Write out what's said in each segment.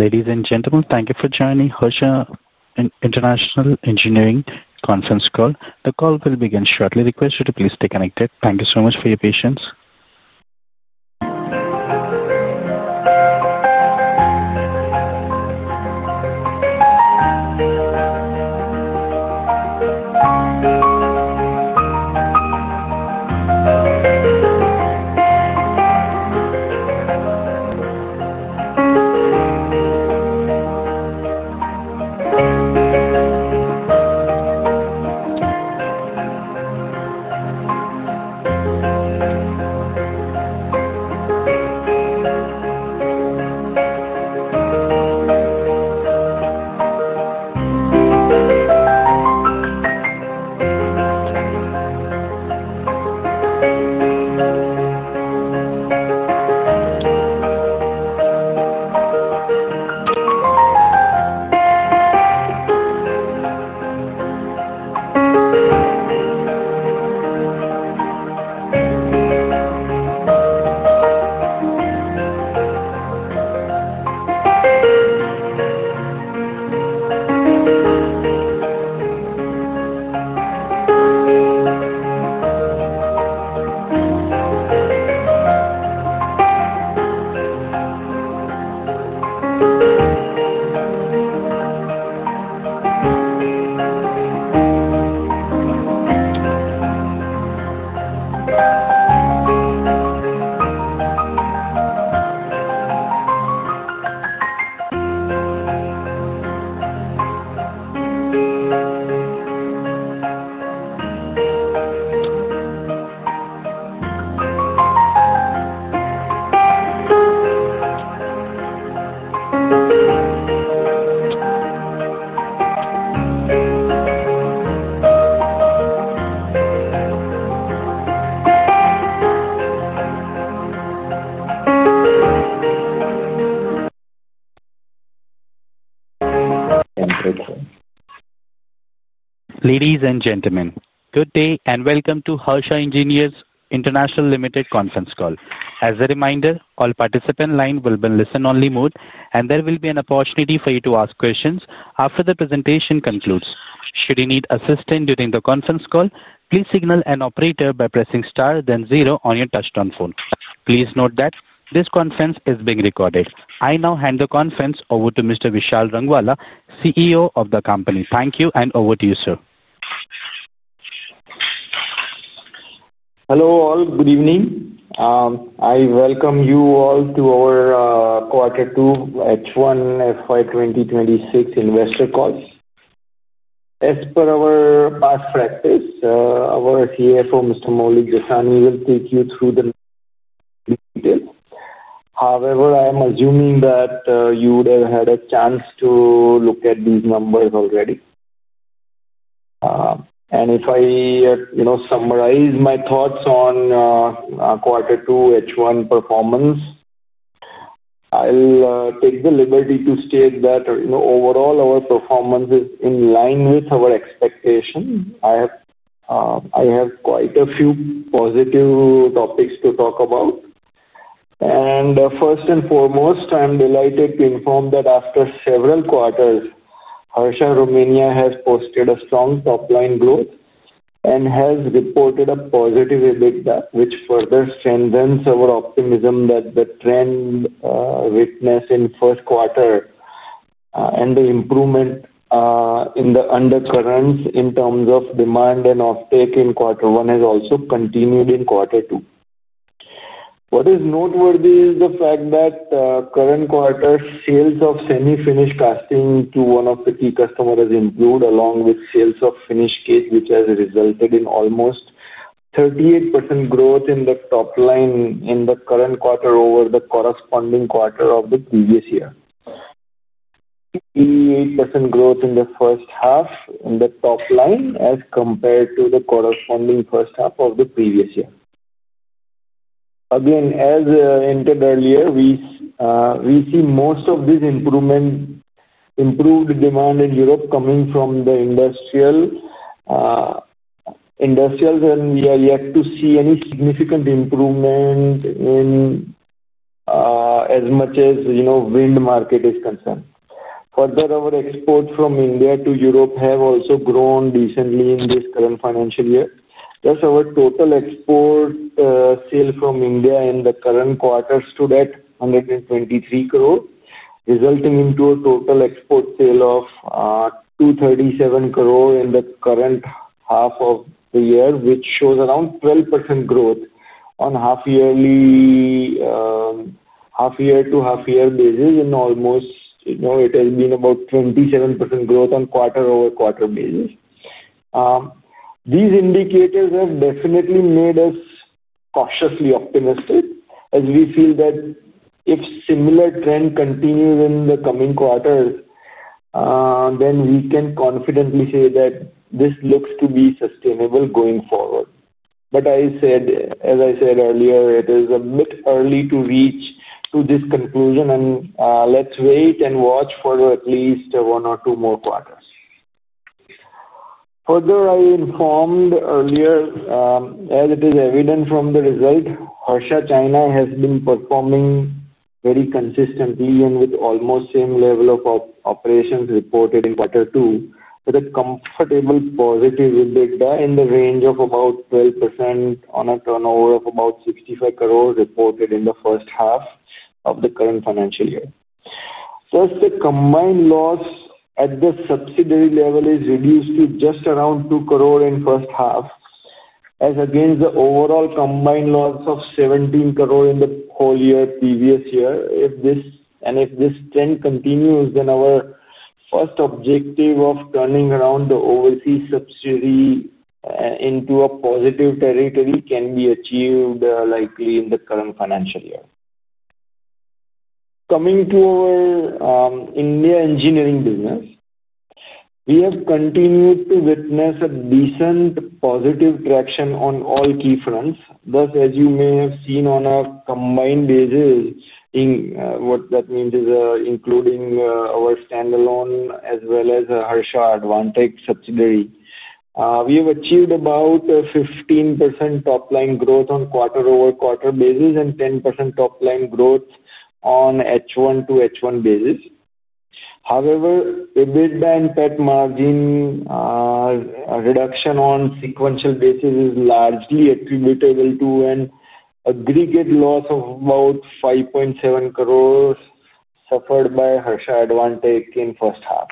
Ladies and gentlemen, thank you for joining Harsha Engineers International Limited Conference Call. The call will begin shortly. Request you to please stay connected. Thank you so much for your patience. Ladies and gentlemen, good day and welcome to Harsha Engineers International Limited Conference Call. As a reminder, all participant lines will be in listen-only mode, and there will be an opportunity for you to ask questions after the presentation concludes. Should you need assistance during the conference call, please signal an operator by pressing star then zero on your touch-tone phone. Please note that this conference is being recorded. I now hand the conference over to Mr. Vishal Rangwala, CEO of the company. Thank you, and over to you, sir. Hello all, good evening. I welcome you all to our quarter two H1 FY 2026 investor calls. As per our past practice, our CFO, Mr. Maulik Jasani, will take you through the details. However, I am assuming that you would have had a chance to look at these numbers already. If I summarize my thoughts on quarter two H1 performance, I'll take the liberty to state that overall our performance is in line with our expectations. I have quite a few positive topics to talk about. First and foremost, I'm delighted to inform that after several quarters, Harsha Romania has posted a strong top-line growth and has reported a positive EBITDA, which further strengthens our optimism that the trend witnessed in first quarter and the improvement in the undercurrents in terms of demand and offtake in quarter one has also continued in quarter two. What is noteworthy is the fact that current quarter sales of semi-finished casting to one of the key customers has improved, along with sales of finished case, which has resulted in almost 38% growth in the top line in the current quarter over the corresponding quarter of the previous year. 88% growth in the first half in the top line as compared to the corresponding first half of the previous year. Again, as I hinted earlier, we see most of this improved demand in Europe coming from the industrial. We are yet to see any significant improvement as much as the wind market is concerned. Further, our exports from India to Europe have also grown decently in this current financial year. Thus, our total export sale from India in the current quarter stood at 123 crore, resulting in total export sale of 237 crore in the current half of the year, which shows around 12% growth on half-year to half-year basis. It has been about 27% growth on quarter-over-quarter basis. These indicators have definitely made us cautiously optimistic as we feel that if similar trend continues in the coming quarters, we can confidently say that this looks to be sustainable going forward. As I said earlier, it is a bit early to reach this conclusion, and let's wait and watch for at least one or two more quarters. Further, I informed earlier, as it is evident from the result, Harsha China has been performing very consistently and with almost same level of operations reported in quarter two with a comfortable positive EBITDA in the range of about 12% on a turnover of about 65 crore reported in the first half of the current financial year. Thus, the combined loss at the subsidiary level is reduced to just around 2 crore in the first half. As against the overall combined loss of 17 crore in the whole year previous year. If this trend continues, then our first objective of turning around the overseas subsidiary into a positive territory can be achieved likely in the current financial year. Coming to our India engineering business. We have continued to witness a decent positive traction on all key fronts. Thus, as you may have seen on a combined basis, what that means is including our standalone as well as Harsha Advantech subsidiary, we have achieved about 15% top-line growth on quarter-over-quarter basis and 10% top-line growth on H1 to H1 basis. However, EBITDA and PAT margin reduction on sequential basis is largely attributable to an aggregate loss of about 5.7 crore. Suffered by Harsha Advantech in first half,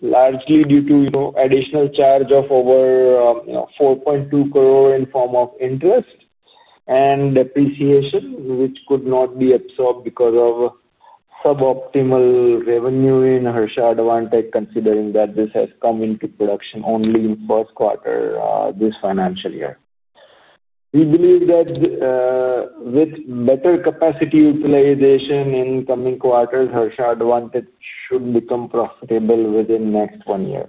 largely due to additional charge of over 4.2 crore in form of interest and depreciation, which could not be absorbed because of suboptimal revenue in Harsha Advantech, considering that this has come into production only in first quarter this financial year. We believe that with better capacity utilization in coming quarters, Harsha Advantech should become profitable within the next one year.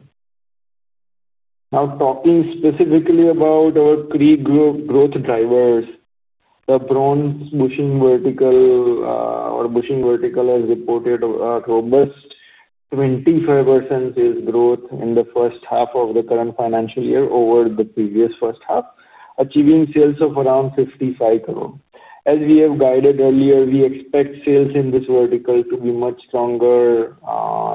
Now, talking specifically about our three growth drivers. The bronze bushing vertical, or bushing vertical, has reported a robust 25% sales growth in the first half of the current financial year over the previous first half, achieving sales of around 55 crore. As we have guided earlier, we expect sales in this vertical to be much stronger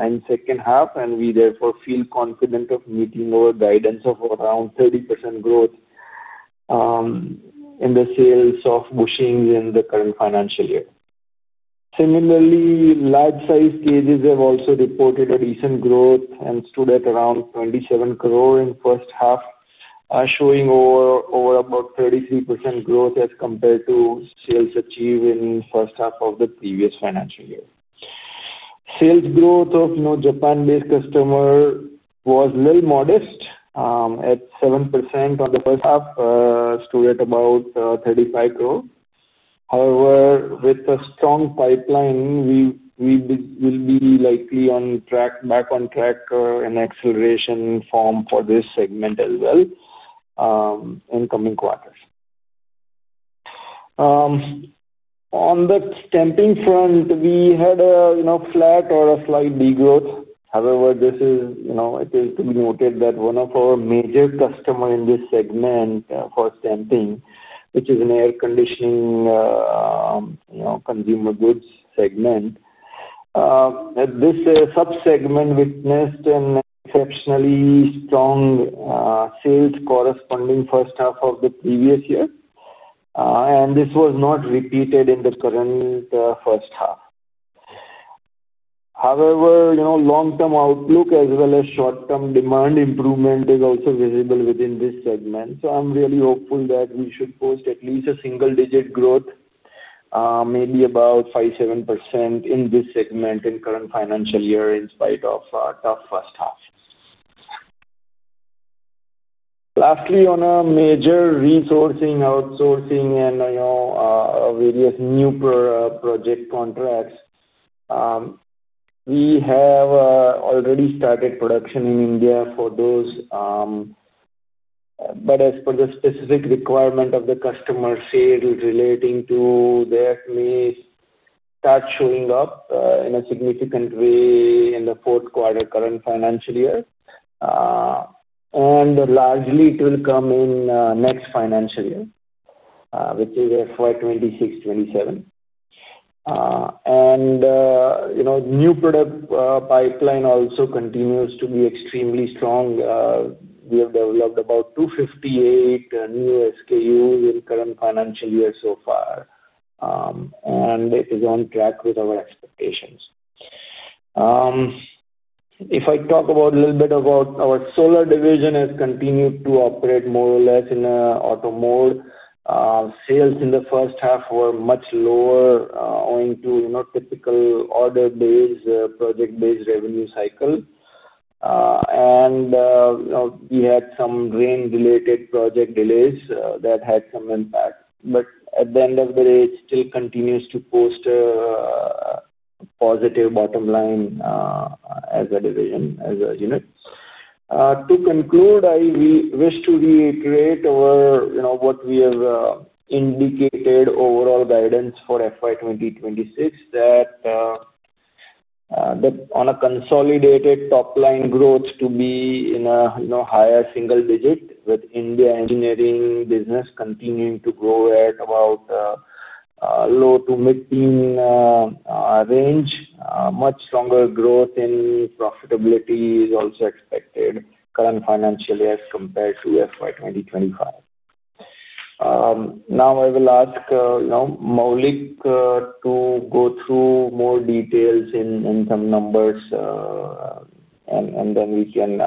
in the second half, and we therefore feel confident of meeting our guidance of around 30% growth. In the sales of bushings in the current financial year. Similarly, large-sized cages have also reported a decent growth and stood at around 27 crore in the first half, showing over about 33% growth as compared to sales achieved in the first half of the previous financial year. Sales growth of Japan-based customers was a little modest. At 7% on the first half, stood at about 35 crore. However, with a strong pipeline, we will be likely back on track in acceleration form for this segment as well. In coming quarters. On the stamping front, we had a flat or a slight degrowth. However, it is to be noted that one of our major customers in this segment for stamping, which is an air conditioning consumer goods segment. This subsegment witnessed an exceptionally strong sales corresponding to the first half of the previous year. This was not repeated in the current first half. However, long-term outlook as well as short-term demand improvement is also visible within this segment. I am really hopeful that we should post at least a single-digit growth, maybe about 5%-7% in this segment in the current financial year in spite of a tough first half. Lastly, on a major resourcing, outsourcing, and various new project contracts, we have already started production in India for those. As per the specific requirement of the customer, sales relating to that may start showing up in a significant way in the fourth quarter of the current financial year. Largely, it will come in the next financial year, which is 2026-2027. The new product pipeline also continues to be extremely strong. We have developed about 258 new SKUs in the current financial year so far. It is on track with our expectations. If I talk a little bit about our solar division, it has continued to operate more or less in auto mode. Sales in the first half were much lower, owing to typical order-based, project-based revenue cycle. We had some rain-related project delays that had some impact. At the end of the day, it still continues to post a positive bottom line as a division, as a unit. To conclude, I wish to reiterate what we have indicated overall guidance for FY 2026, that on a consolidated top-line growth to be in a higher single digit with India engineering business continuing to grow at about low to mid-teen range. Much stronger growth in profitability is also expected in the current financial year as compared to FY 2025. Now, I will ask Maulik to go through more details in some numbers. We can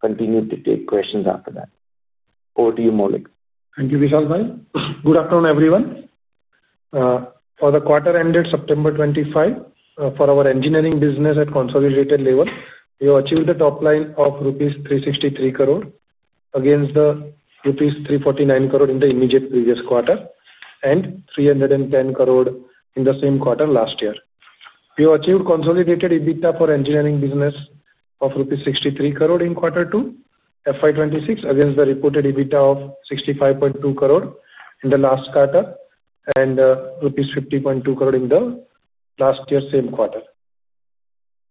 continue to take questions after that. Over to you, Maulik. Thank you, Vishal Vai. Good afternoon, everyone. For the quarter ended September 25, for our engineering business at consolidated level, we have achieved a top line of rupees 363 crore against the rupees 349 crore in the immediate previous quarter and 310 crore in the same quarter last year. We have achieved consolidated EBITDA for engineering business of 63 crore rupees in quarter two FY 2026 against the reported EBITDA of 65.2 crore in the last quarter and 50.2 crore rupees in the last year's same quarter.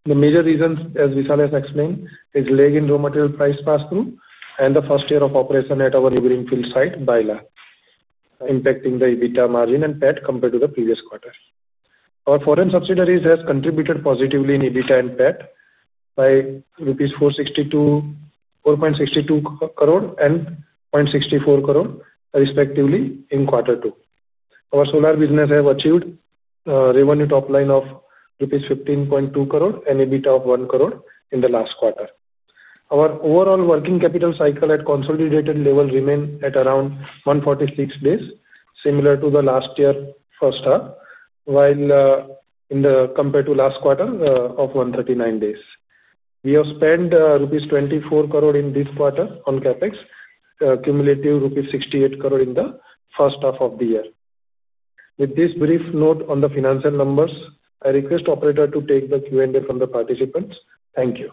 The major reasons, as Vishal has explained, is lag in raw material price pass-through and the first year of operation at our neighboring field site, Baila. Impacting the EBITDA margin and PAT compared to the previous quarter. Our foreign subsidiaries have contributed positively in EBITDA and PAT by rupees 4.62 crore and 0.64 crore, respectively, in quarter two. Our solar business has achieved a revenue top line of rupees 15.2 crore and EBITDA of 1 crore in the last quarter. Our overall working capital cycle at consolidated level remains at around 146 days, similar to the last year's first half, while compared to last quarter of 139 days. We have spent rupees 24 crore in this quarter on CapEx, cumulative rupees 68 crore in the first half of the year. With this brief note on the financial numbers, I request the operators to take the Q&A from the participants. Thank you.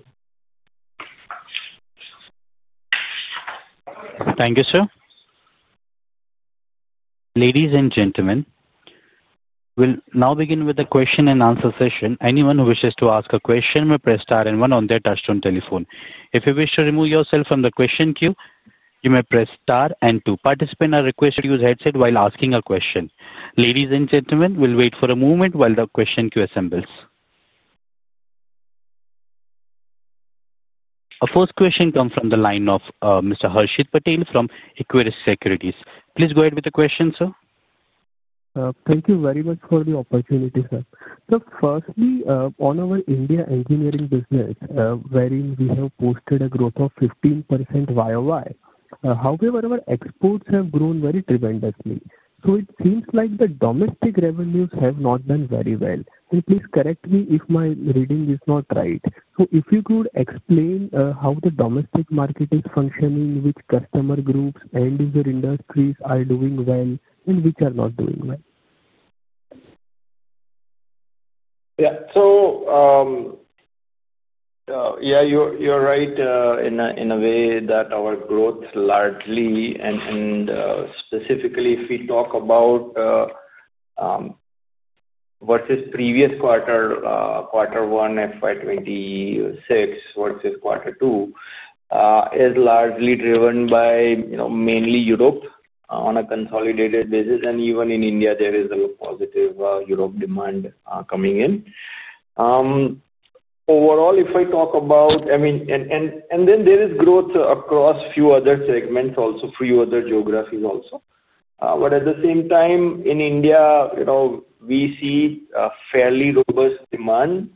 Thank you, sir. Ladies and gentlemen. We'll now begin with the question-and-answer session. Anyone who wishes to ask a question may press star and one on their touchstone telephone. If you wish to remove yourself from the question queue, you may press star and two. Participants are requested to use headsets while asking a question. Ladies and gentlemen, we'll wait for a moment while the question queue assembles. Our first question comes from the line of Mr. Harshit Patel from Equirus Securities.. Please go ahead with the question, sir. Thank you very much for the opportunity, sir. Firstly, on our India engineering business, wherein we have posted a growth of 15% YoY. However, our exports have grown very tremendously. It seems like the domestic revenues have not done very well. Please correct me if my reading is not right. If you could explain how the domestic market is functioning, which customer groups and industry are doing well, and which are not doing well. Yeah. So. Yeah, you're right in a way that our growth largely, and specifically if we talk about, versus previous quarter, quarter one FY 2026 versus quarter two, is largely driven by mainly Europe on a consolidated basis. Even in India, there is a positive Europe demand coming in. Overall, if I talk about, I mean, and then there is growth across a few other segments, also a few other geographies also. At the same time, in India, we see fairly robust demand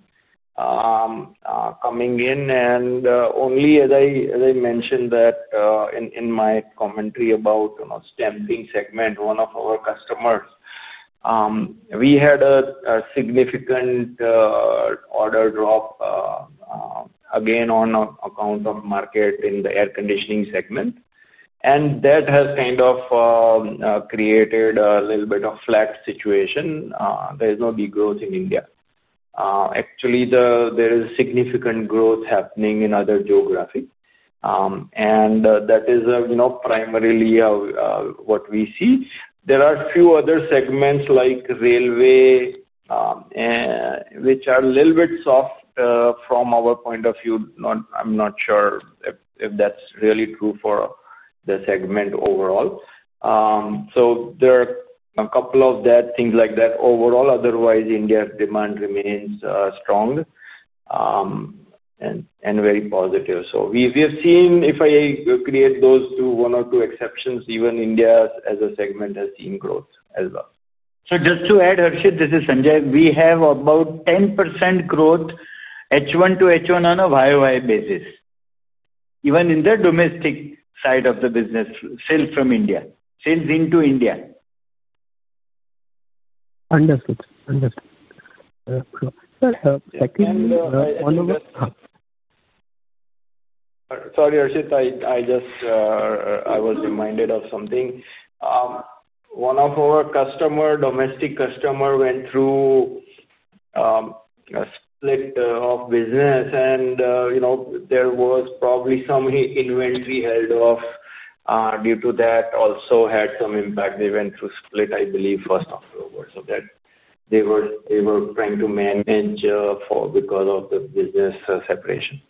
coming in. Only as I mentioned that, in my commentary about the stamping segment, one of our customers, we had a significant order drop, again on account of market in the air conditioning segment, and that has kind of created a little bit of a flat situation. There is no degrowth in India. Actually, there is significant growth happening in other geographies. That is primarily what we see. There are a few other segments like railway, which are a little bit soft from our point of view. I'm not sure if that's really true for the segment overall. There are a couple of things like that overall. Otherwise, India's demand remains strong and very positive. We have seen, if I create those one or two exceptions, even India as a segment has seen growth as well. Just to add, Harshit, this is Sanjay. We have about 10% growth H1 to H1 on a YoY basis, even in the domestic side of the business, sales from India, sales into India. Understood. Understood. Sir, secondly, one of us. Sorry, Harshit, I just was reminded of something. One of our customers, domestic customers, went through a split of business. There was probably some inventory held off due to that, also had some impact. They went through split, I believe, first of October. They were trying to manage because of the business separation.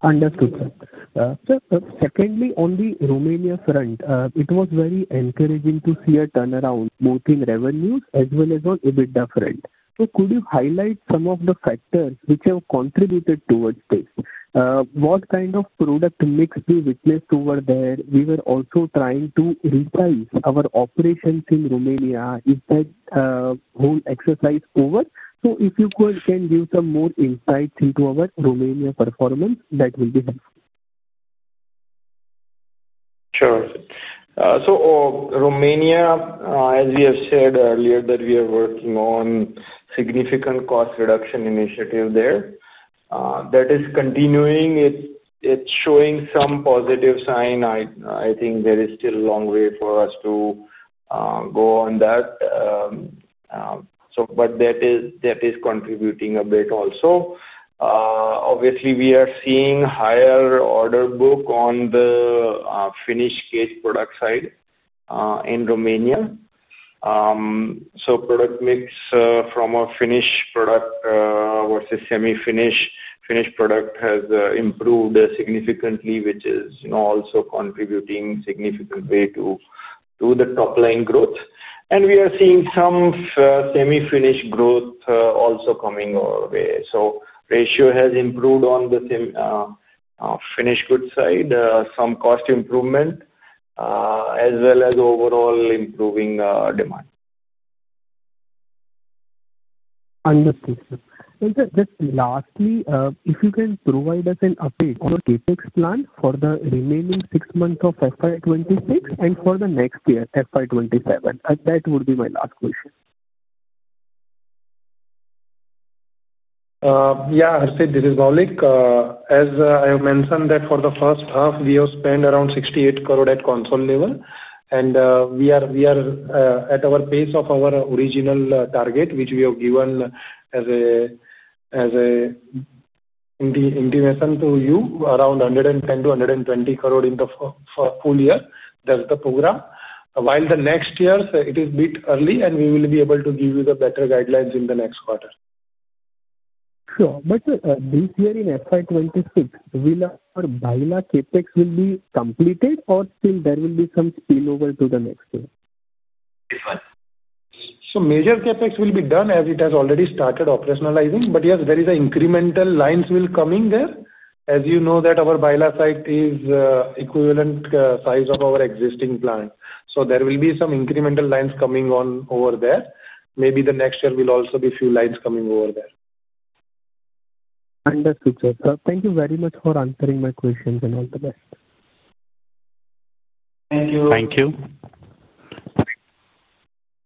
Understood, sir. Sir, secondly, on the Romania front, it was very encouraging to see a turnaround both in revenues as well as on the EBITDA front. Could you highlight some of the factors which have contributed towards this? What kind of product mix do you witness over there? We were also trying to reprice our operations in Romania. Is that whole exercise over? If you can give some more insights into our Romania performance, that will be helpful. Sure. Romania, as we have said earlier, we are working on a significant cost reduction initiative there. That is continuing. It is showing some positive sign. I think there is still a long way for us to go on that, but that is contributing a bit also. Obviously, we are seeing a higher order book on the finished cage product side in Romania. Product mix from a finished product versus semi-finished product has improved significantly, which is also contributing in a significant way to the top-line growth. We are seeing some semi-finished growth also coming our way. The ratio has improved on the finished goods side, some cost improvement, as well as overall improving demand. Understood, sir. Just lastly, if you can provide us an update on the CapEx plan for the remaining six months of FY 2026 and for the next year, FY 2027. That would be my last question. Yeah, Harshit, this is Maulik. As I have mentioned, for the first half, we have spent around 68 crore at console level. We are at our pace of our original target, which we have given as an intimation to you, around 110 crore-120 crore in the full year. That is the program. While the next year, it is a bit early, and we will be able to give you the better guidelines in the next quarter. Sure. This year in FY 2026, will our Baila CapEx be completed, or still there will be some spillover to the next year? Major CapEx will be done as it has already started operationalizing. Yes, there are incremental lines coming there. As you know, our Baila site is the equivalent size of our existing plant. There will be some incremental lines coming over there. Maybe the next year will also be a few lines coming over there. Understood, sir. Thank you very much for answering my questions and all the best. Thank you. Thank you.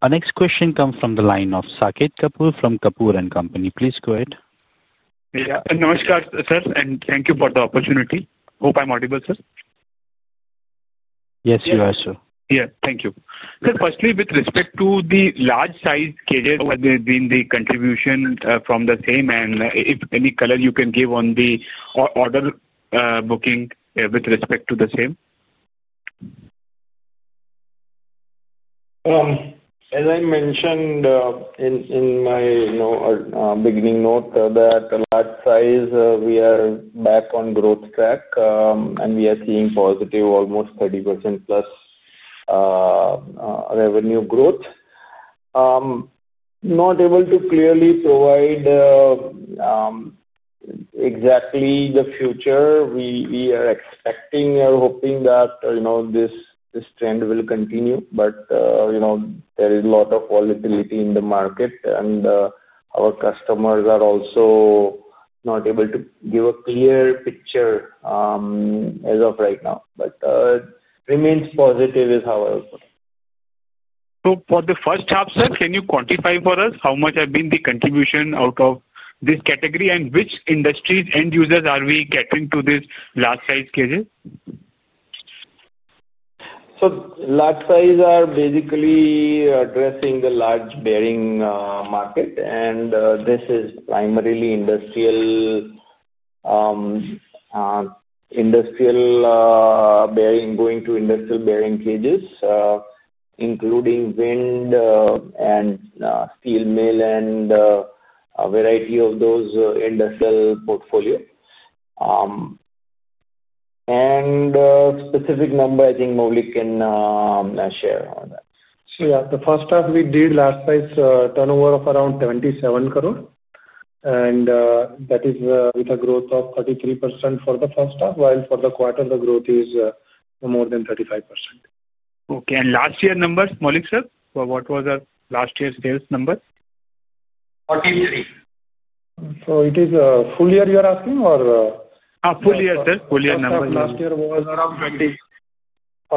Our next question comes from the line of Saket Kapoor from Kapoor & Company. Please go ahead. Yeah. Namaskar, sir. Thank you for the opportunity. Hope I'm audible, sir. Yes, you are, sir. Yeah. Thank you. Sir, firstly, with respect to the large-sized cages, has there been the contribution from the same? And if any, color you can give on the order booking with respect to the same? As I mentioned in my beginning note, that large size, we are back on growth track. We are seeing positive, almost 30%+ revenue growth. Not able to clearly provide exactly the future. We are expecting and hoping that this trend will continue. There is a lot of volatility in the market. Our customers are also not able to give a clear picture as of right now. Remains positive is our outlook. For the first half, sir, can you quantify for us how much has been the contribution out of this category? And which industries' end users are we getting to these large-sized cages? Large size are basically addressing the large bearing market. This is primarily industrial. Bearing going to industrial bearing cages, including wind and steel mill and a variety of those industrial portfolios. Specific number, I think Maulik can share on that. Yeah. The first half, we did large-sized turnover of around 77 crore. And that is with a growth of 33% for the first half, while for the quarter, the growth is more than 35%. Okay. Last year's numbers, Maulik, sir? What was last year's sales number? 43 crore. So it is a full year, you are asking, or? Full year, sir. Full year number. Last year was around 20 crore.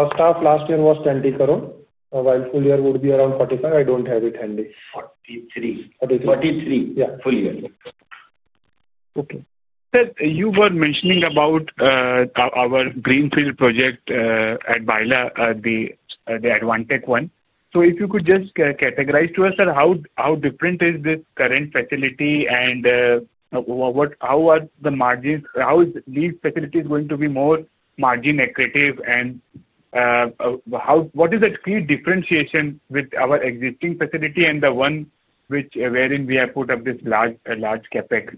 First half last year was 20 crore, while full year would be around 45 crore. I don't have it handy. 43 crore full year. Okay. Sir, you were mentioning about our greenfield project at Baila, the Advantech one. If you could just categorize to us, sir, how different is the current facility? How are the margins? How is this facility going to be more margin-accretive? What is the key differentiation with our existing facility and the one wherein we have put up this large CapEx?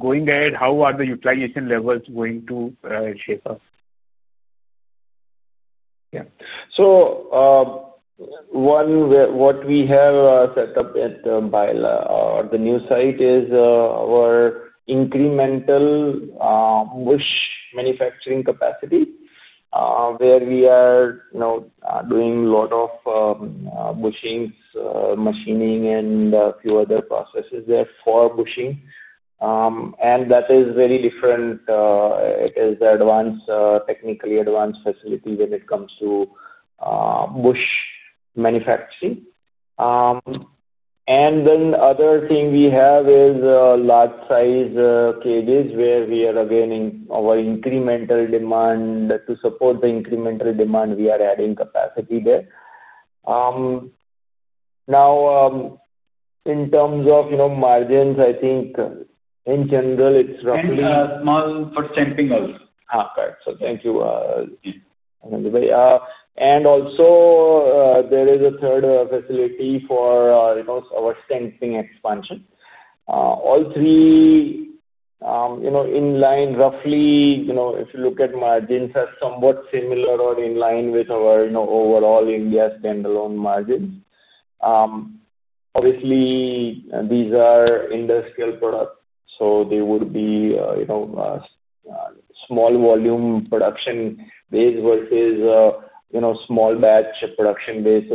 Going ahead, how are the utilization levels going to shape up? Yeah. What we have set up at Baila, or the new site, is our incremental bush manufacturing capacity. Where we are doing a lot of bushings, machining, and a few other processes there for bushing. That is very different. It is a technically advanced facility when it comes to bush manufacturing. The other thing we have is large-sized cages, where we are, again, on our incremental demand. To support the incremental demand, we are adding capacity there. Now, in terms of margins, I think in general, it is roughly, it is small for stamping also. Okay. Thank you. Also, there is a third facility for our stamping expansion. All three, in line, roughly, if you look at margins, are somewhat similar or in line with our overall India standalone margins. Obviously, these are industrial products. So they would be. Small volume production base versus small batch production base.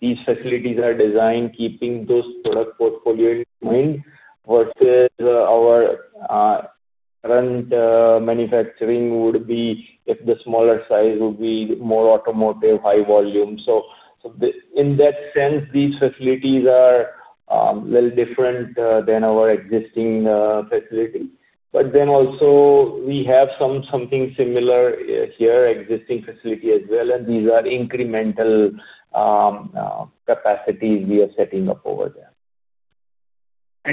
These facilities are designed keeping those product portfolios in mind versus our current manufacturing would be if the smaller size would be more automotive, high volume. In that sense, these facilities are a little different than our existing facility. We have something similar here, existing facility as well. These are incremental capacities we are setting up over there.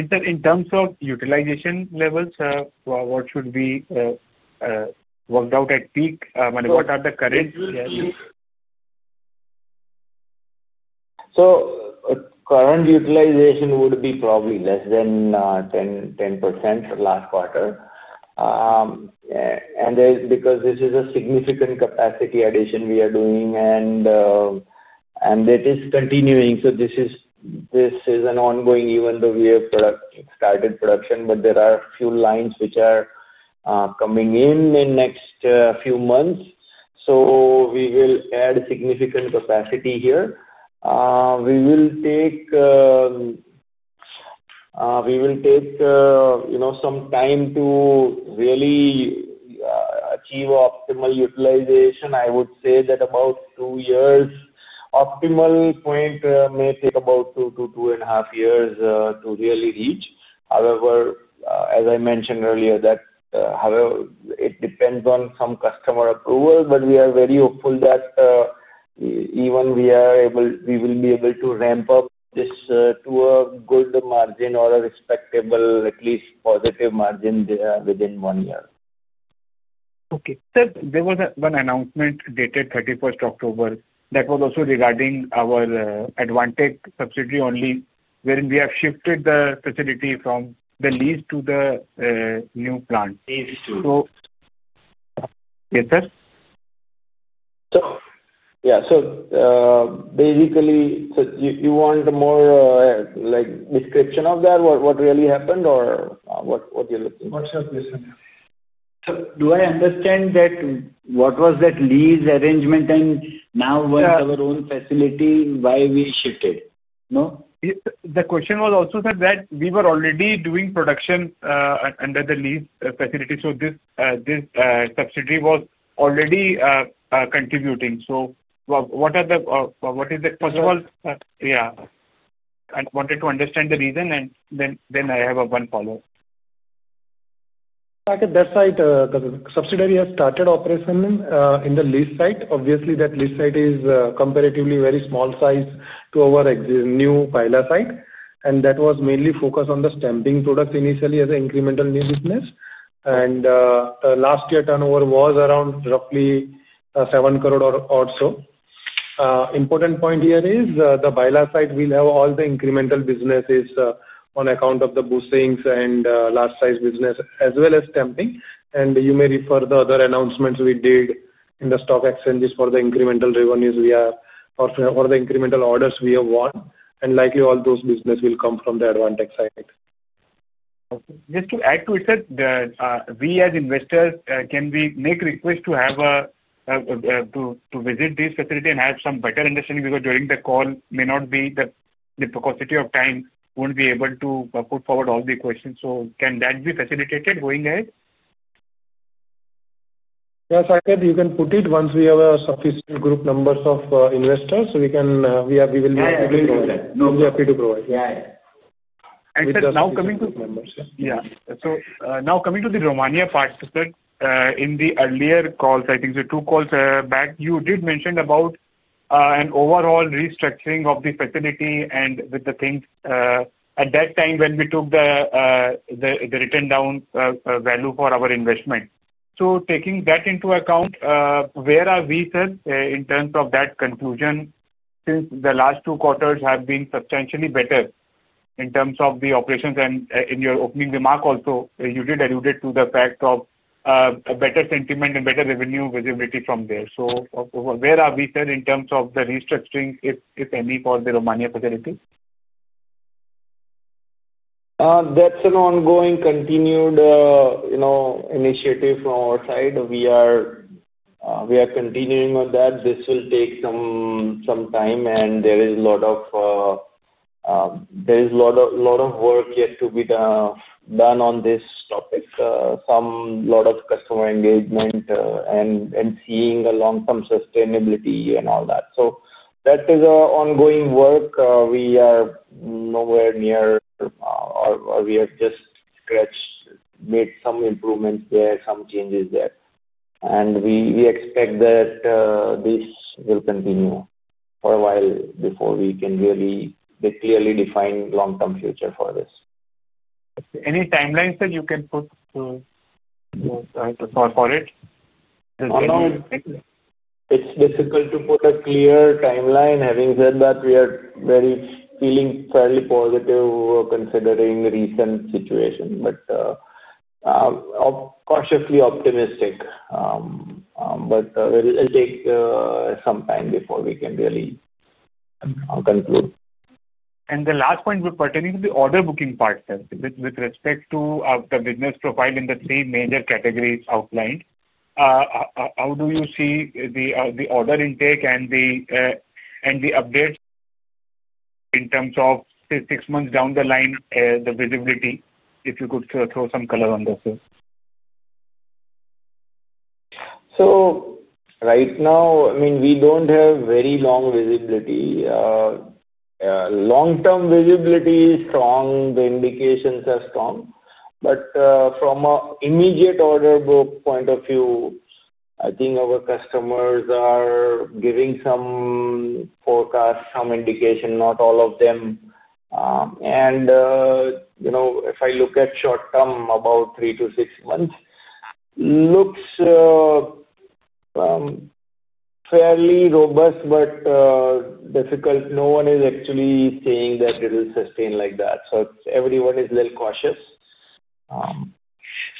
Sir, in terms of utilization levels, what should we work out at peak? I mean, what are the current? Current utilization would be probably less than 10% last quarter. Because this is a significant capacity addition we are doing, that is continuing. This is an ongoing, even though we have started production. There are a few lines which are coming in in the next few months. We will add significant capacity here. We will take some time to really achieve optimal utilization. I would say that about two years. Optimal point may take about two to two and a half years to really reach. However, as I mentioned earlier, it depends on some customer approval. We are very hopeful that even we will be able to ramp up this to a good margin or a respectable, at least positive margin within one year. Okay. Sir, there was one announcement dated 31st October that was also regarding our Advantech subsidiary only, wherein we have shifted the facility from the lease to the new plant. Lease to. Yes, sir? So, basically, you want a more description of that, what really happened, or what you're looking for? What's your question? Sir, do I understand that what was that lease arrangement? And now we want our own facility. Why we shifted? No? The question was also that we were already doing production under the lease facility. This subsidiary was already contributing. What is the question? First of all, yeah. I wanted to understand the reason. I have one follow-up. That side, the subsidiary has started operation in the lease site. Obviously, that lease site is comparatively very small size to our new Baila site. That was mainly focused on the stamping products initially as an incremental new business. Last year's turnover was around roughly 7 crore or so. Important point here is the Baila site will have all the incremental businesses on account of the bushings and large-sized business as well as stamping. You may refer to the other announcements we did in the stock exchanges for the incremental revenues we have or the incremental orders we have won. Likely, all those businesses will come from the Advantech side. Okay. Just to add to it, sir, we as investors, can we make a request to visit this facility and have some better understanding? Because during the call, may not be the capacity of time, won't be able to put forward all the questions. So can that be facilitated going ahead? Yes, I can put it once we have a sufficient group number of investors. We will be able to provide that. Yeah. We'll be happy to provide that. Sir, now coming to the Romania. Yeah. Now coming to the Romania part, sir, in the earlier calls, I think two calls back, you did mention about an overall restructuring of the facility and with the things. At that time when we took the written down value for our investment. Taking that into account, where are we, sir, in terms of that conclusion since the last two quarters have been substantially better in terms of the operations? In your opening remark also, you did allude to the fact of better sentiment and better revenue visibility from there. Where are we, sir, in terms of the restructuring, if any, for the Romania facility? That's an ongoing, continued initiative from our side. We are continuing on that. This will take some time, and there is a lot of work yet to be done on this topic. There is a lot of customer engagement and seeing a long-term sustainability and all that. That is an ongoing work. We are nowhere near, or we have just scratched, made some improvements there, some changes there. We expect that this will continue for a while before we can really clearly define a long-term future for this. Any timeline, sir, you can put for it? It's difficult to put a clear timeline. Having said that, we are feeling fairly positive considering the recent situation. Cautiously optimistic. It will take some time before we can really conclude. The last point pertaining to the order booking part, sir, with respect to the business profile in the three major categories outlined. How do you see the order intake and the updates in terms of, say, six months down the line, the visibility, if you could throw some color on this, sir? Right now, I mean, we do not have very long visibility. Long-term visibility is strong. The indications are strong. From an immediate order book point of view, I think our customers are giving some forecasts, some indication, not all of them. If I look at short term, about three to six months, it looks fairly robust. Difficult. No one is actually saying that it will sustain like that. Everyone is a little cautious.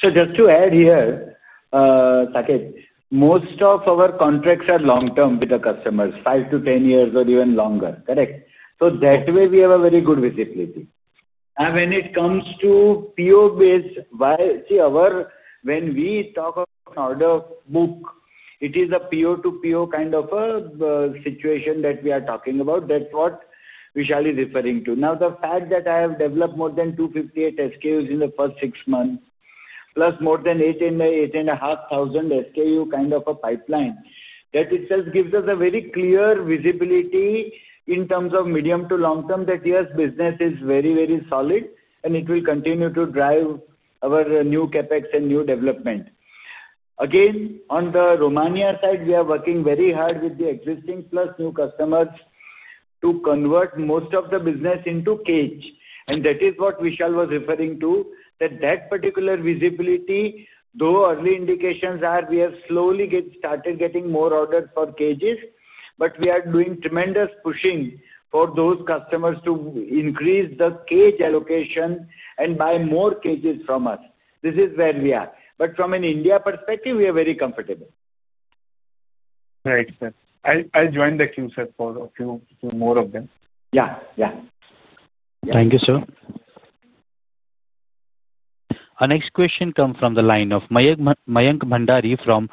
Just to add here. Saket, most of our contracts are long-term with the customers, five to ten years or even longer, correct? That way, we have a very good visibility. When it comes to PO-based, when we talk of an order book, it is a PO-to-PO kind of a situation that we are talking about. That is what Vishal is referring to. Now, the fact that I have developed more than 258 SKUs in the first six months, plus more than 8,500 SKU kind of a pipeline, that itself gives us a very clear visibility in terms of medium to long term that your business is very, very solid. It will continue to drive our new CapEx and new development. Again, on the Romania side, we are working very hard with the existing plus new customers to convert most of the business into cage. That is what Vishal was referring to, that that particular visibility, though early indications are, we have slowly started getting more orders for cages. We are doing tremendous pushing for those customers to increase the cage allocation and buy more cages from us. This is where we are. From an India perspective, we are very comfortable. Right, sir. I'll join the queue, sir, for a few more of them. Yeah. Yeah. Thank you, sir. Our next question comes from the line of Mayank Bhandari from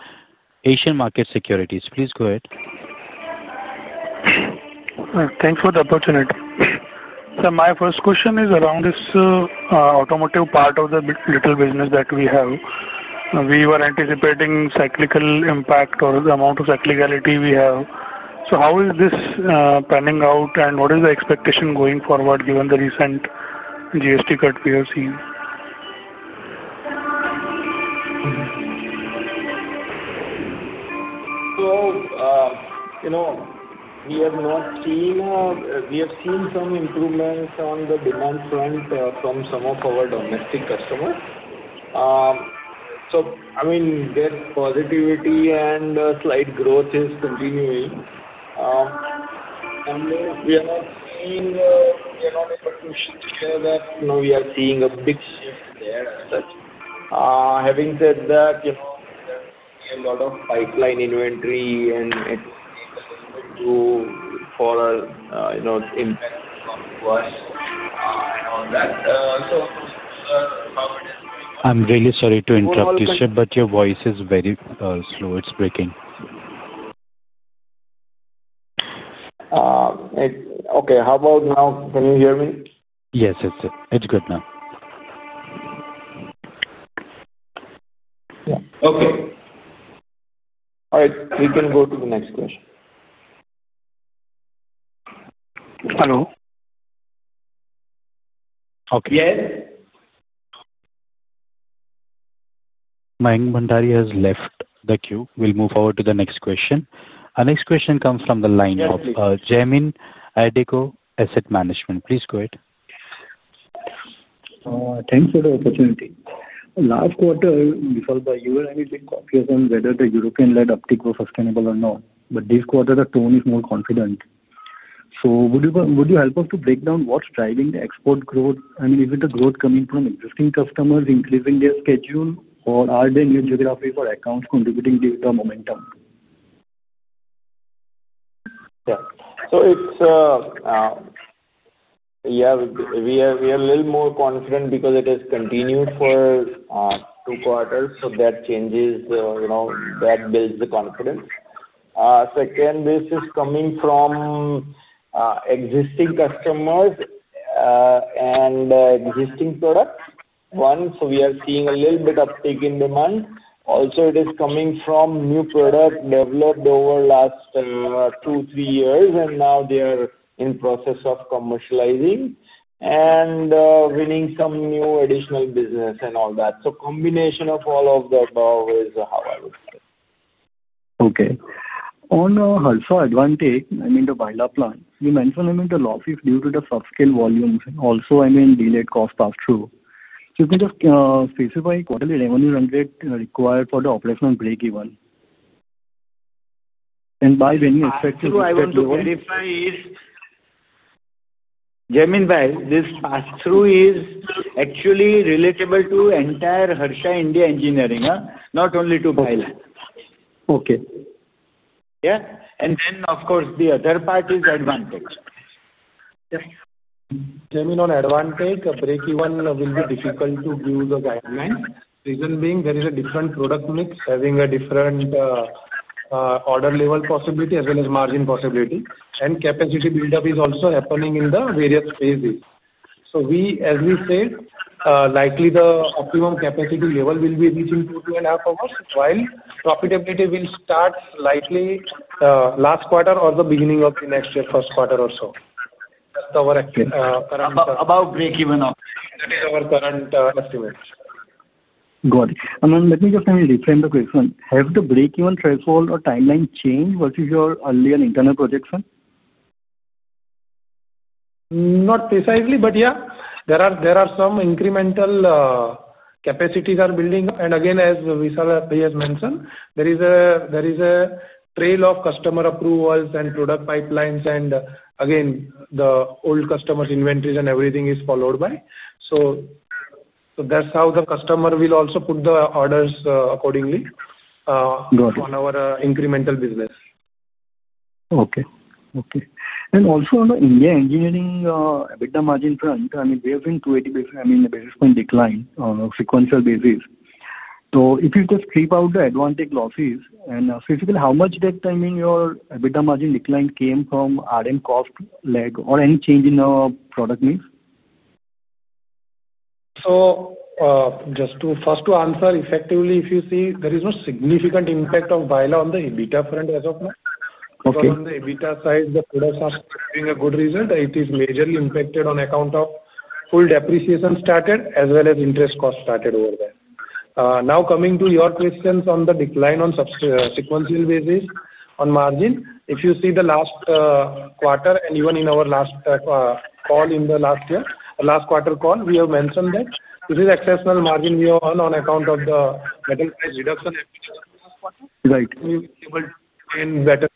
Asian Market Securities. Please go ahead. Thanks for the opportunity. Sir, my first question is around this automotive part of the little business that we have. We were anticipating cyclical impact or the amount of cyclicality we have. How is this panning out? What is the expectation going forward given the recent GST cut we have seen? We have not seen some improvements on the demand front from some of our domestic customers. I mean, that positivity and slight growth is continuing. We are not seeing, we are not able to say that we are seeing a big shift there as such. Having said that, there is a lot of pipeline inventory, and it is a little bit too for impact from quarry and all that. How is it going on? I'm really sorry to interrupt you, sir, but your voice is very slow. It's breaking. Okay. How about now? Can you hear me? Yes, yes, sir. It's good now. Okay. All right. We can go to the next question. Hello. Okay. Yes. Mayank Bhandari has left the queue. We'll move over to the next question. Our next question comes from the line of Jamin Addico Asset Management. Please go ahead. Thanks for the opportunity. Last quarter, we felt that you and I were a bit confused on whether the European-led uptick was sustainable or not. This quarter, the tone is more confident. Would you help us to break down what's driving the export growth? I mean, is it the growth coming from existing customers increasing their schedule, or are there new geographies or accounts contributing to the momentum? Yeah. So, yeah, we are a little more confident because it has continued for two quarters. That changes. That builds the confidence. Second, this is coming from existing customers and existing products. One, so we are seeing a little bit uptick in demand. Also, it is coming from new product developed over the last two, three years, and now they are in the process of commercializing and winning some new additional business and all that. Combination of all of the above is how I would say. Okay. On Harsha Advantech, I mean, the Baila plant, you mentioned, I mean, the losses due to the subscale volumes and also, I mean, delayed cost pass-through. Can you just specify quarterly revenue rate required for the operational break-even? And by when you expect to see that lower? Harsha Advantech's modify is. Jamin, really, this pass-through is actually relatable to entire Harsha India engineering, not only to Baila. Okay. Yeah. And then, of course, the other part is Advantech. Yeah. Jamin, on Advantech, a break-even will be difficult to give the guideline. Reason being, there is a different product mix, having a different order level possibility as well as margin possibility. And capacity buildup is also happening in the various phases. We, as we said, likely the optimum capacity level will be reaching two to two and a half hours, while profitability will start likely last quarter or the beginning of the next year, first quarter or so. That's our current. About break-even optimum. That is our current estimate. Got it. Let me just, I mean, reframe the question. Has the break-even threshold or timeline changed versus your earlier internal projection? Not precisely, but yeah, there are some incremental capacities are building. Again, as Vishal Advantech has mentioned, there is a trail of customer approvals and product pipelines. Again, the old customers' inventories and everything is followed by. That is how the customer will also put the orders accordingly. Got it. On our incremental business. Okay. Okay. Also, on the India engineering EBITDA margin front, I mean, we have been to a, I mean, a basis point decline on a sequential basis. If you just keep out the Advantech losses, and specifically, how much that, I mean, your EBITDA margin decline came from RM cost lag or any change in the product mix? Just to first to answer effectively, if you see, there is no significant impact of Baila on the EBITDA front as of now. On the EBITDA side, the products are having a good result. It is majorly impacted on account of full depreciation started as well as interest cost started over there. Now coming to your questions on the decline on sequential basis on margin, if you see the last quarter and even in our last call in the last year, the last quarter call, we have mentioned that this is exceptional margin we have earned on account of the metal price reduction effort. Right. We were able to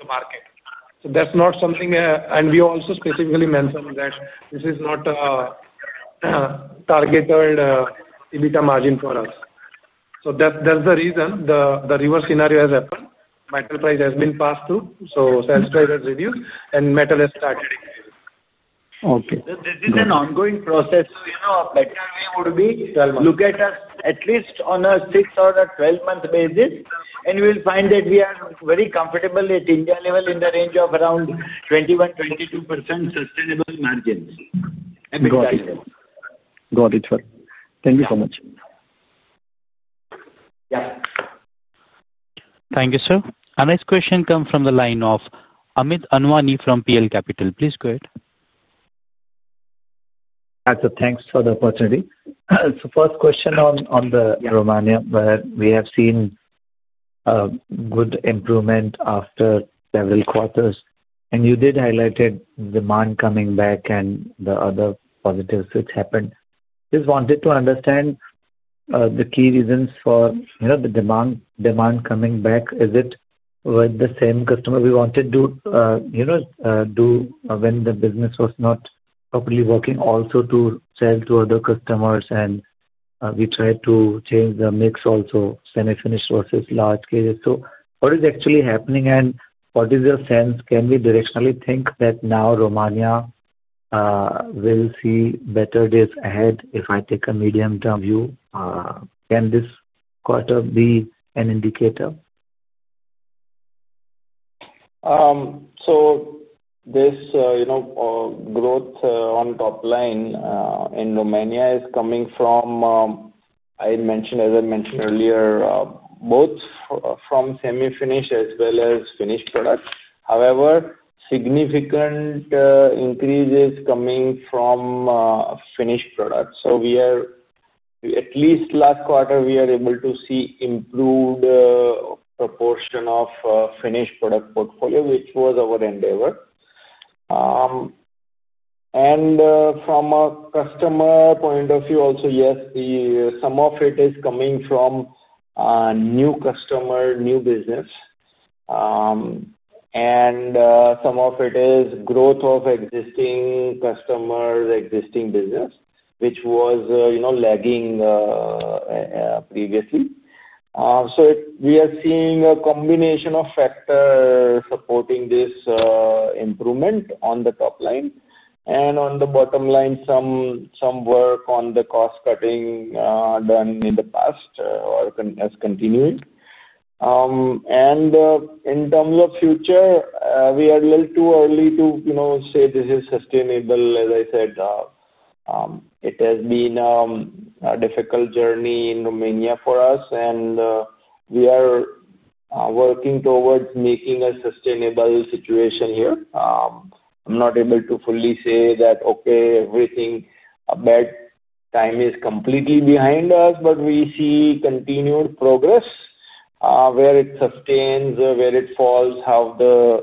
gain better market. That is not something, and we also specifically mentioned that this is not a targeted EBITDA margin for us. That is the reason the reverse scenario has happened. Metal price has been passed through. Sales price has reduced, and metal has started increasing. Okay. This is an ongoing process. You know, of metal, we would look at us at least on a 6- or a 12-month basis, and we will find that we are very comfortable at India level in the range of around 21%-22% sustainable margin. Got it. Got it, sir. Thank you so much. Yeah. Thank you, sir. Our next question comes from the line of Amit Anwani from PL Capital. Please go ahead. Yeah. Thanks for the opportunity. First question on Romania, where we have seen good improvement after several quarters. You did highlight demand coming back and the other positives which happened. Just wanted to understand the key reasons for the demand coming back. Is it with the same customer we wanted to do when the business was not properly working, also to sell to other customers? We tried to change the mix also, semi-finished versus large cases. What is actually happening? What is your sense? Can we directionally think that now Romania will see better days ahead if I take a medium-term view? Can this quarter be an indicator? This growth on top line in Romania is coming from, as I mentioned earlier, both from semi-finished as well as finished products. However, significant increase is coming from finished products. We are, at least last quarter, able to see improved proportion of finished product portfolio, which was our endeavor. From a customer point of view also, yes, some of it is coming from new customer, new business, and some of it is growth of existing customers, existing business, which was lagging previously. We are seeing a combination of factors supporting this improvement on the top line. On the bottom line, some work on the cost cutting done in the past has continued. In terms of future, we are a little too early to say this is sustainable. As I said, it has been a difficult journey in Romania for us. We are working towards making a sustainable situation here. I'm not able to fully say that, okay, everything, a bad time is completely behind us, but we see continued progress. Where it sustains, where it falls, how the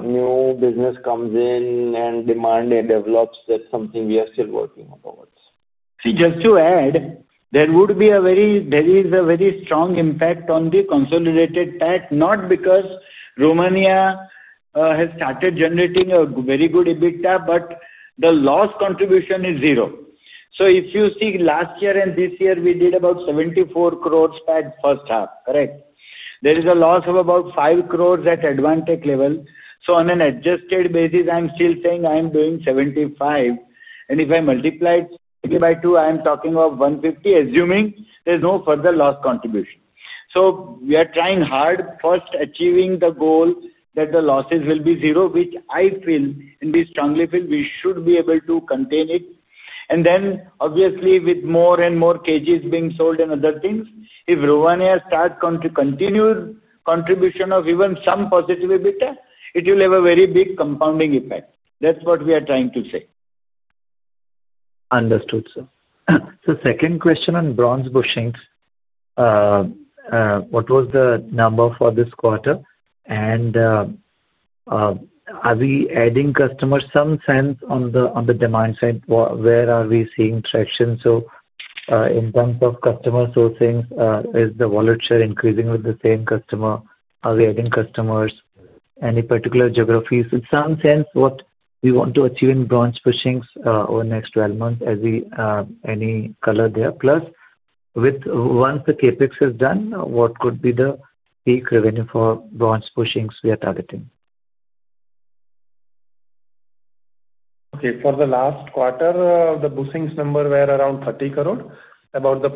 new business comes in and demand develops, that's something we are still working towards. See, just to add, there would be a very strong impact on the consolidated PAT, not because Romania has started generating a very good EBITDA, but the loss contribution is zero. If you see last year and this year, we did about 74 crore PAT first half, correct? There is a loss of about 5 crore at Advantech level. On an adjusted basis, I am still saying I am doing 75 crore. If I multiply it by 2, I am talking of 150 crore, assuming there is no further loss contribution. We are trying hard first, achieving the goal that the losses will be zero, which I feel, and we strongly feel we should be able to contain it. Obviously, with more and more cages being sold and other things, if Romania starts to continue contribution of even some positive EBITDA, it will have a very big compounding effect. That's what we are trying to say. Understood, sir. Second question on bronze bushings. What was the number for this quarter? Are we adding customers? Some sense on the demand side, where are we seeing traction? In terms of customer sourcing, is the wallet share increasing with the same customer? Are we adding customers? Any particular geographies? In some sense, what we want to achieve in bronze bushings over the next 12 months, any color there? Plus, once the CapEx is done, what could be the peak revenue for bronze bushings we are targeting? Okay. For the last quarter, the bushings number were around 30 crore. About the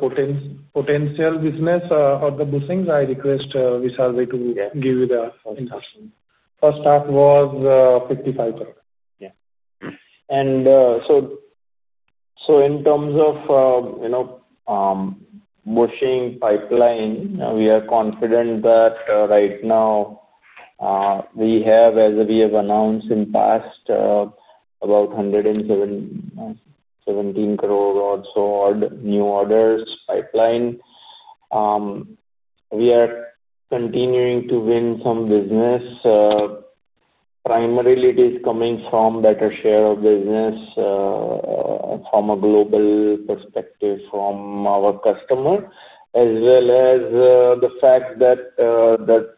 potential business of the bushings, I request Vishal Advantech to give you the first half was INR 55 crore. Yeah. In terms of bushing pipeline, we are confident that right now we have, as we have announced in the past, about 117 crore or so new orders pipeline. We are continuing to win some business. Primarily, it is coming from better share of business from a global perspective from our customer, as well as the fact that the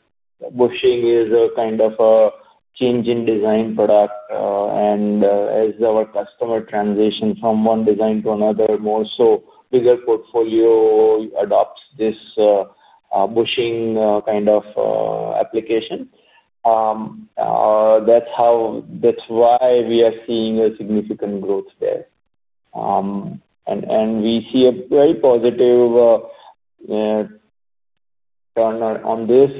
bushing is a kind of a change in design product. As our customer transitions from one design to another, more so bigger portfolio adopts this bushing kind of application. That is why we are seeing a significant growth there. We see a very positive turn on this.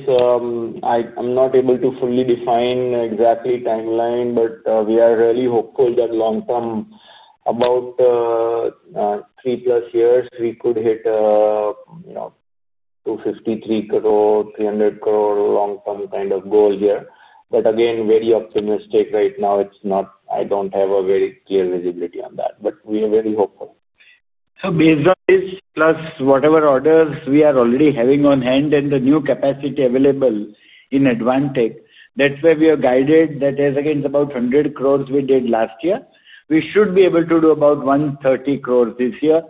I am not able to fully define exactly timeline, but we are really hopeful that long term, about three plus years, we could hit 253 crore-300 crore long-term kind of goal here. Again, very optimistic right now. I don't have a very clear visibility on that. We are very hopeful. Based on this, plus whatever orders we are already having on hand and the new capacity available in Advantech, that is where we are guided that, as against about 100 crore we did last year, we should be able to do about 130 crore this year.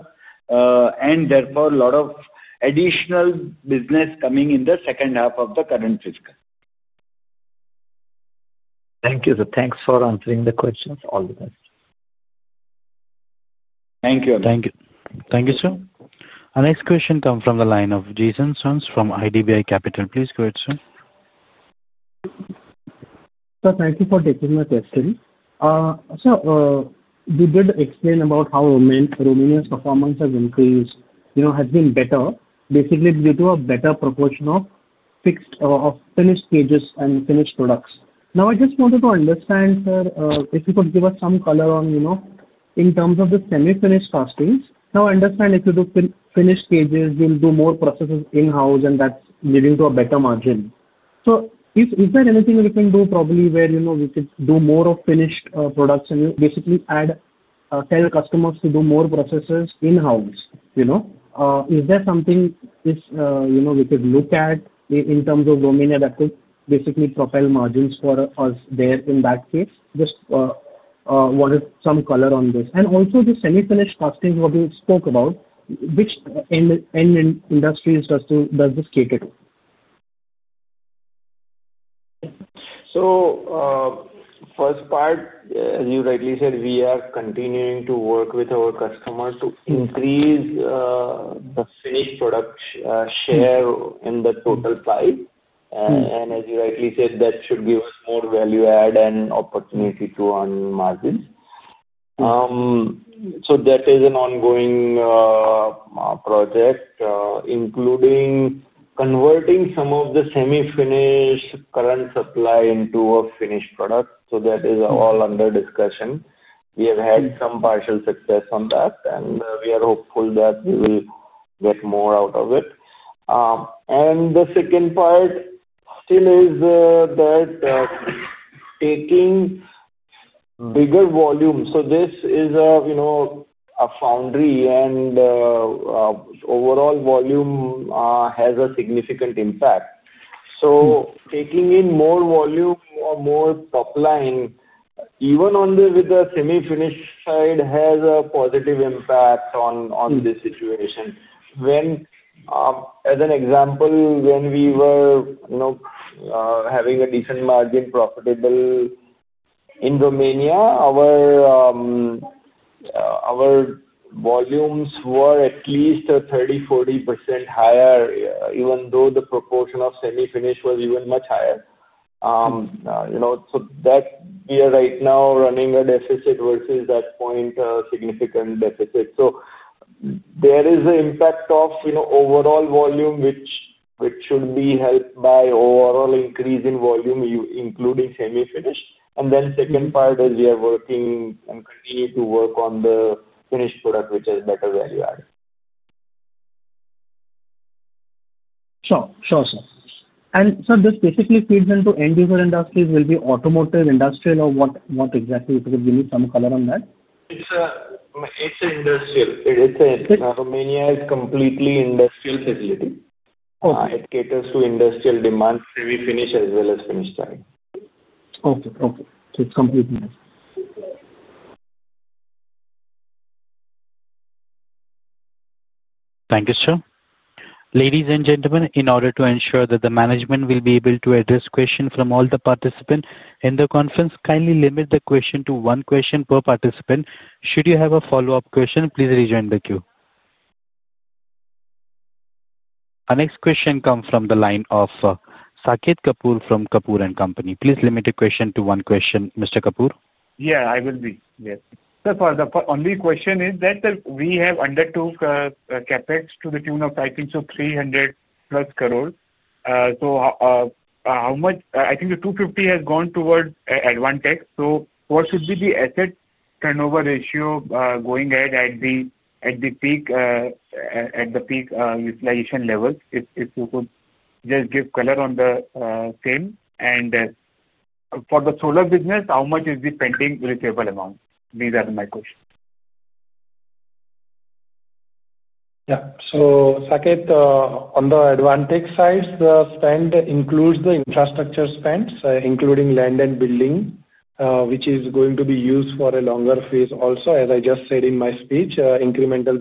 Therefore, a lot of additional business coming in the second half of the current fiscal. Thank you, sir. Thanks for answering the questions. All the best. Thank you. Thank you. Thank you, sir. Our next question comes from the line of Jason Soans from IDBI Capital. Please go ahead, sir. Sir, thank you for taking my question. Sir, you did explain about how Romania's performance has increased, has been better, basically due to a better proportion of finished cages and finished products. Now, I just wanted to understand, sir, if you could give us some color on, in terms of the semi-finished castings. Now, I understand if you do finished cages, you'll do more processes in-house, and that's leading to a better margin. Is there anything we can do probably where we could do more of finished products and basically tell customers to do more processes in-house? Is there something we could look at in terms of Romania that could basically profile margins for us there in that case? Just wanted some color on this. Also, the semi-finished castings, what we spoke about, which end industries does this cater to? First part, as you rightly said, we are continuing to work with our customers to increase the finished product share in the total pie. As you rightly said, that should give us more value-add and opportunity to earn margins. That is an ongoing project, including converting some of the semi-finished current supply into a finished product. That is all under discussion. We have had some partial success on that, and we are hopeful that we will get more out of it. The second part still is that taking bigger volume. This is a foundry, and overall volume has a significant impact. Taking in more volume or more top line, even on the semi-finished side, has a positive impact on this situation. As an example, when we were having a decent margin profitable in Romania, our volumes were at least 30%-40% higher, even though the proportion of semi-finished was even much higher. We are right now running a deficit versus that point, a significant deficit. There is the impact of overall volume, which should be helped by overall increase in volume, including semi-finished. The second part is we are working and continue to work on the finished product, which has better value-add. Sure, sure, sir. Sir, this basically feeds into end-user industries. Will it be automotive, industrial, or what exactly? Could you give me some color on that? It's an industrial. Romania is a completely industrial facility. It caters to industrial demand, semi-finished as well as finished line. Okay, okay. So it's completely industrial. Thank you, sir. Ladies and gentlemen, in order to ensure that the management will be able to address questions from all the participants in the conference, kindly limit the question to one question per participant. Should you have a follow-up question, please rejoin the queue. Our next question comes from the line of Saket Kapoor from Kapoor & Company. Please limit the question to one question, Mr. Kapoor. Yeah, I will be. Yes. So far, the only question is that we have undertook CapEx to the tune of, I think, 300 crore plus. How much? I think the 250 crore has gone towards Advantech. What should be the asset turnover ratio going ahead at the utilization level? If you could just give color on the same. For the solar business, how much is the pending receivable amount? These are my questions. Yeah. Sakit, on the Advantech side, the spend includes the infrastructure spend, including land and building, which is going to be used for a longer phase also, as I just said in my speech. Incremental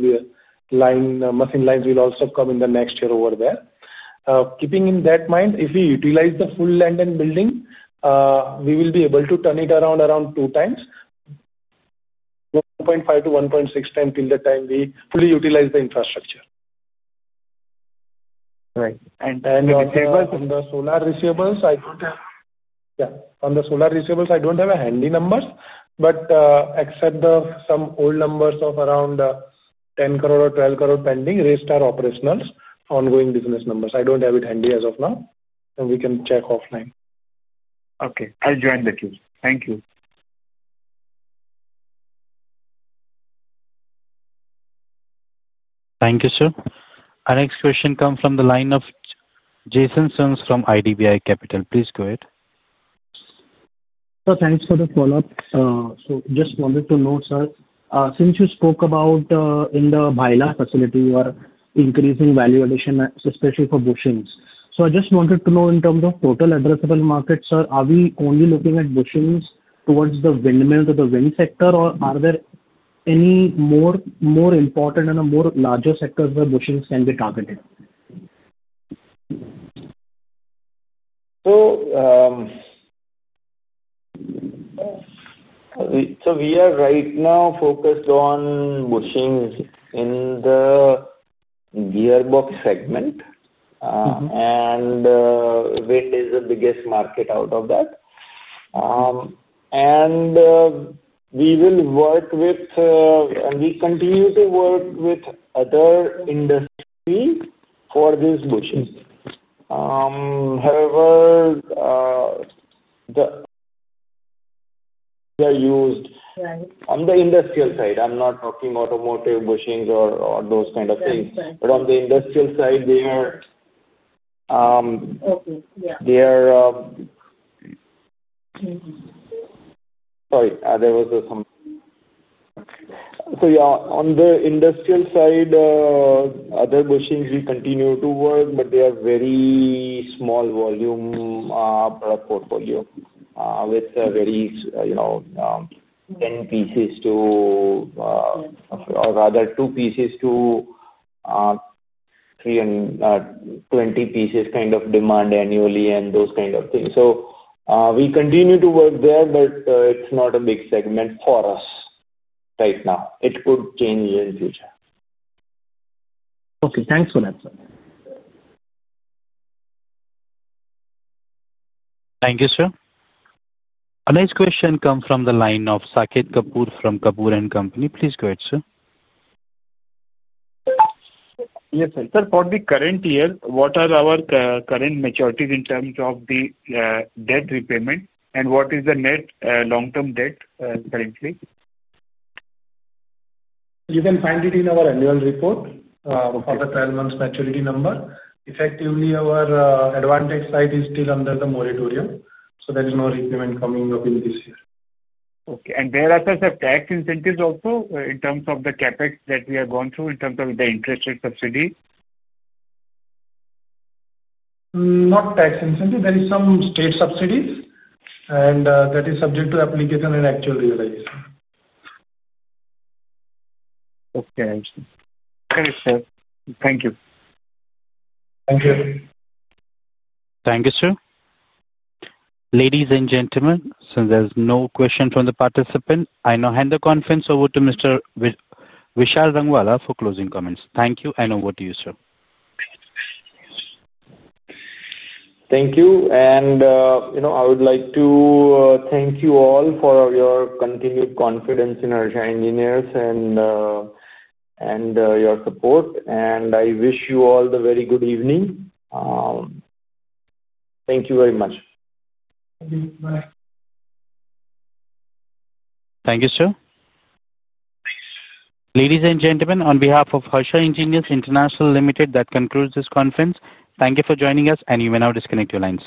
machine lines will also come in the next year over there. Keeping that in mind, if we utilize the full land and building, we will be able to turn it around around two times. 1.5-1.6 times till the time we fully utilize the infrastructure. Right. On the solar receivables, I do not have—yeah, on the solar receivables, I do not have handy numbers, but except some old numbers of around 10 crore or 12 crore pending, rest are operational ongoing business numbers. I do not have it handy as of now, and we can check offline. Okay. I'll join the queue. Thank you. Thank you, sir. Our next question comes from the line of Jason Soans from IDBI Capital. Please go ahead. Sir, thanks for the follow-up. Just wanted to note, sir, since you spoke about in the Baila facility, you are increasing value addition, especially for bushings. I just wanted to know, in terms of total addressable market, sir, are we only looking at bushings towards the windmills or the wind sector, or are there any more important and more larger sectors where bushings can be targeted? We are right now focused on bushings in the gearbox segment. Wind is the biggest market out of that. We continue to work with other industries for these bushings. However, they are used on the industrial side. I'm not talking automotive bushings or those kind of things. On the industrial side, they are— Sorry, there was some— Okay. Yeah, on the industrial side, other bushings, we continue to work, but they are very small volume. Portfolio with very—ten pieces to—or rather two pieces to twenty pieces kind of demand annually and those kind of things. We continue to work there, but it's not a big segment for us right now. It could change in the future. Okay. Thanks for that, sir. Thank you, sir. Our next question comes from the line of Saket Kapoor from Kapoor & Company. Please go ahead, sir. Yes, sir. Sir, for the current year, what are our current maturities in terms of the debt repayment, and what is the long-term debt currently? You can find it in our annual report for the 12-month maturity number. Effectively, our Advantech side is still under the moratorium, so there is no repayment coming up in this year. Okay. There are a set of tax incentives also in terms of the CapEx that we are going through in terms of the interest rate subsidy? Not tax incentive. There are some state subsidies, and that is subject to application and actual realization. Okay. Understood. Thank you. Thank you. Thank you, sir. Ladies and gentlemen, since there is no question from the participants, I now hand the conference over to Mr. Vishal Rangwala for closing comments. Thank you. And over to you, sir. Thank you. I would like to thank you all for your continued confidence in our engineers and your support. I wish you all a very good evening. Thank you very much. Thank you. Bye. Thank you, sir. Ladies and gentlemen, on behalf of Harsha Engineers International Limited, that concludes this conference. Thank you for joining us, and you may now disconnect your lines.